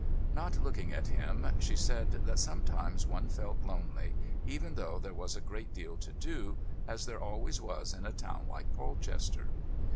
Not looking at him, she said that sometimes one felt lonely even though there was a great deal to do, as there always was in a town like Polchester.